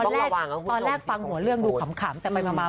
ตอนแรกฟังหัวเรื่องดูขำแต่มันมามันซีเรียส